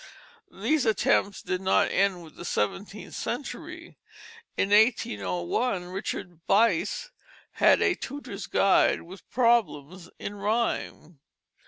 These attempts did not end with the seventeenth century. In 1801 Richard Vyse had a Tutor's Guide with problems in rhyme.